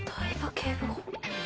警部補？